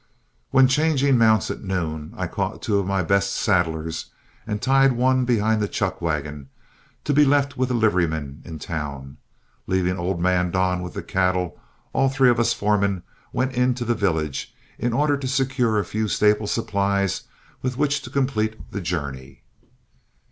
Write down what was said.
When changing mounts at noon, I caught out two of my best saddlers and tied one behind the chuckwagon, to be left with a liveryman in town. Leaving old man Don with the cattle, all three of us foremen went into the village in order to secure a few staple supplies with which to complete the journey.